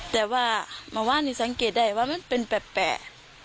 แต่ว่าเมื่อวานนี้สังเกตได้ว่ามันเป็นแปลก